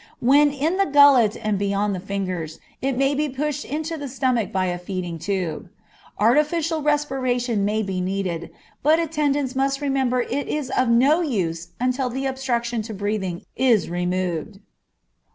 When in the gullet and beyond the fingers, it may be pushed into the stomach by a feeding tube. Artificial respiration may be needed, but attendants must remember it is of no use until the obstruction to breathing is removed.